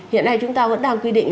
hiện nay chúng ta vẫn đang quy định